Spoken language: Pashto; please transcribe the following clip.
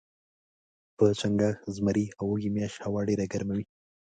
په چنګاښ ، زمري او وږي میاشت هوا ډیره ګرمه وي